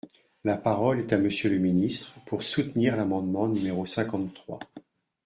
La parole est à Monsieur le ministre, pour soutenir l’amendement numéro cinquante-trois.